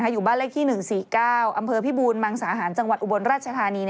อยู่บ้านเลขที่๑๔๙อพมสศจอุบลราชธานี